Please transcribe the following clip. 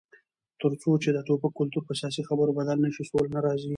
تر څو چې د ټوپک کلتور په سیاسي خبرو بدل نشي، سوله نه راځي.